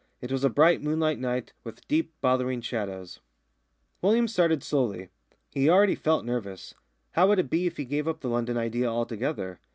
It was a bright moonlight night, with deep, bothering shadows. William started slowly. He already felt nervous. How would it be if he gave up the London idea altogether?